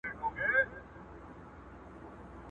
هم یې پلار ننه ایستلی په زندان وو٫